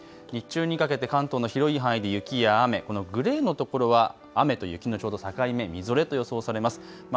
日中にかけて関東の広い範囲で雪や雨、このグレーのところは雨と雪のちょうど境目、みぞれと予想されます。